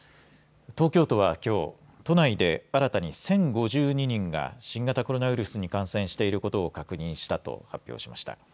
東京都はきょう、都内で新たに１０５２人が新型コロナウイルスに感染していることを確認したと発表しました。